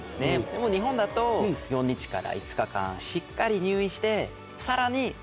でも日本だと４日から５日間しっかり入院してさらに。